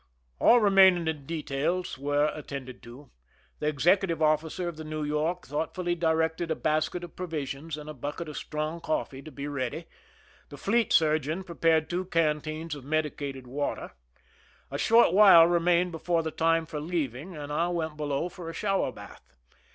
All remaining details were attended to. The executive officer of the New York thoughtfully directed a basket of provisions and a bucket of strong coffee to be ready. The fleet surgeon pre pared two canteens of medicated water. A short while remained before the time for leaving, and I went below for a shower bath.